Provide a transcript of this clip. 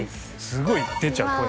すごい出ちゃう声。